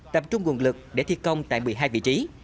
tập trung nguồn lực để thi công tại một mươi hai vị trí